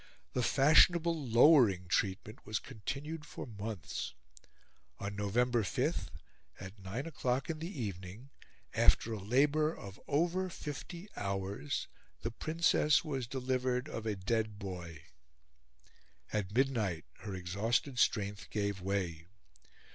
The fashionable lowering treatment was continued for months. On November 5, at nine o'clock in the evening, after a labour of over fifty hours, the Princess was delivered of a dead boy. At midnight her exhausted strength gave way.